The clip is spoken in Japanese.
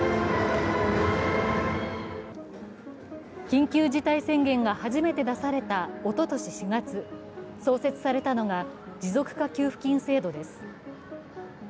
緊急事態宣言が初めて出されたおととし４月、創設されたのが持続化給付金制度です。